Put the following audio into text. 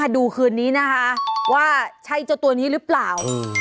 ดูคืนนี้นะคะว่าใช่เจ้าตัวนี้หรือเปล่า